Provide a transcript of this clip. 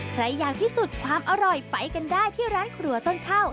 ใครอย่างที่สุดความอร่อยไปกันได้ที่ร้านครัวต้นข้าว